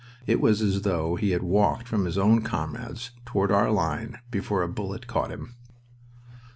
It was as though he had walked from his own comrades toward our line before a bullet caught him.